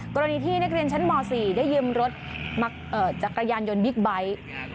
กรณีที่นักเรียนชั้นม๔ได้ยืมรถจักรยานยนต์บิ๊กไบท์